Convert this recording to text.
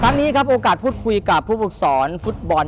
ตอนนี้ครับโอกาสพูดคุยกับผู้ปรึกษรฟุตบอล